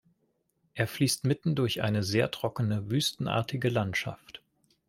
Er fließt mitten durch eine sehr trockene wüstenartige Landschaft.